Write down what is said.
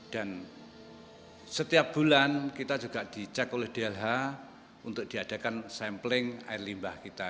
dan setiap bulan kita juga dicek oleh dlh untuk diadakan sampling air limbah kita